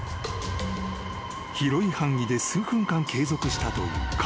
［広い範囲で数分間継続したという怪現象］